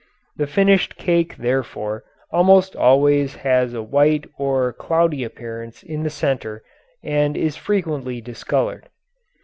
The finished cake, therefore, almost always has a white or cloudy appearance in the centre, and is frequently discolored.